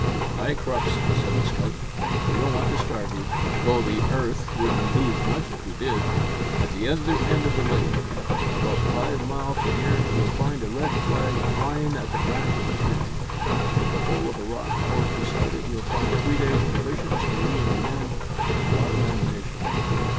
"Ay, Crux," said the scout, "we don't want to starve you, though the 'arth wouldn't lose much if we did. At the other end o' the lake, about five mile from here, you'll find a red rag flyin' at the branch of a tree. In the hole of a rock close beside it, you'll find three days' provisions for you and your men, an' a lot of ammunition."